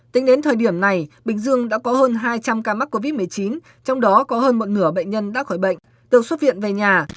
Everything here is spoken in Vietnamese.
tính đến thời điểm này bình dương đã có hơn hai trăm linh ca mắc covid một mươi chín trong đó có hơn một nửa bệnh nhân đã khỏi bệnh được xuất viện về nhà